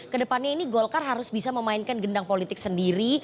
kedepannya ini golkar harus bisa memainkan gendang politik sendiri